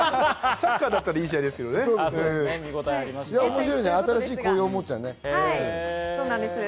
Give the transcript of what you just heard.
サッカーだったらいい試合だったけどね。